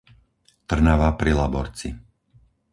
Trnava pri Laborci